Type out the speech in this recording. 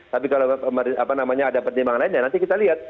tapi kalau ada pertimbangan lain ya nanti kita lihat